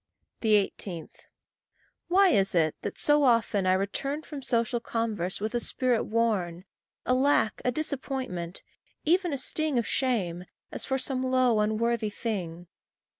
18. Why is it that so often I return From social converse with a spirit worn, A lack, a disappointment even a sting Of shame, as for some low, unworthy thing?